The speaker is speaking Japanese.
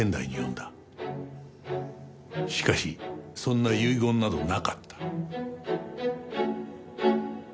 しかしそんな遺言などなかった。